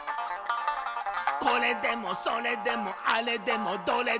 「これでもそれでもあれでもどれでも」